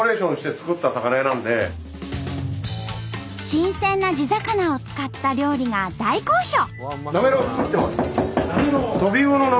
新鮮な地魚を使った料理が大好評！